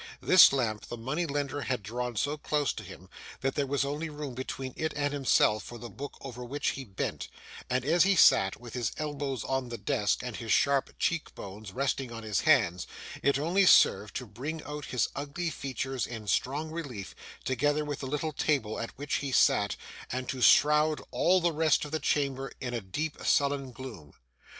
This lamp the money lender had drawn so close to him, that there was only room between it and himself for the book over which he bent; and as he sat, with his elbows on the desk, and his sharp cheek bones resting on his hands, it only served to bring out his ugly features in strong relief, together with the little table at which he sat, and to shroud all the rest of the chamber in a deep sullen gloom.